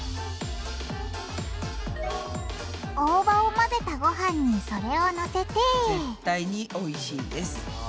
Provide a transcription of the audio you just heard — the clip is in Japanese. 大葉を混ぜたごはんにそれをのせて絶対においしいです。